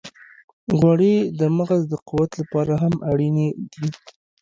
غوړې د مغز د قوت لپاره هم اړینې دي.